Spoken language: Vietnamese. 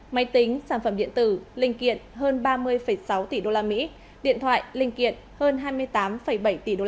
máy tính sản phẩm điện tử linh kiện hơn ba mươi sáu tỷ usd điện thoại linh kiện hơn hai mươi tám bảy tỷ usd